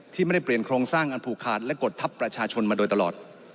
ที่ไม่ได้เปลี่ยนโครงสร้างอันผูกขาดและกดทัพประชาชนมาโดยตลอด